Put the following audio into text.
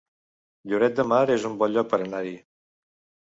Lloret de Mar es un bon lloc per anar-hi